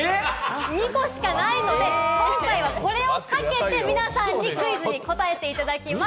２個しかないので、今回はこれをかけて、皆さんにクイズに答えていただきます。